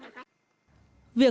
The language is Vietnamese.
việc không có nước sạch